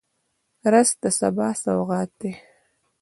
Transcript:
رس د سبا سوغات دی